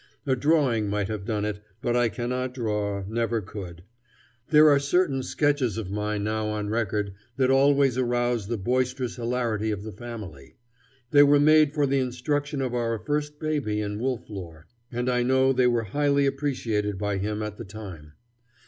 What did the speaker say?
A drawing might have done it, but I cannot draw, never could. There are certain sketches of mine now on record that always arouse the boisterous hilarity of the family. They were made for the instruction of our first baby in wolf lore, and I know they were highly appreciated by him at the time.